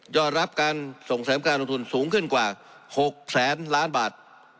อดรับการส่งเสริมการลงทุนสูงขึ้นกว่า๖แสนล้านบาท